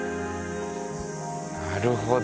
なるほど。